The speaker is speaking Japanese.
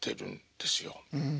うん。